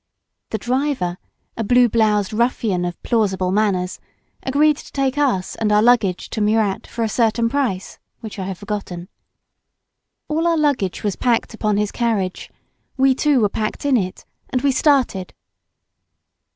The driver, a blue bloused ruffian of plausible manners, agreed to take us and our luggage to Murat for a certain price, which I have forgotten. All our luggage was packed upon his carriage; we, too were packed in it, and we started.